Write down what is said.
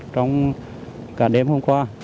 trong cả đêm hôm qua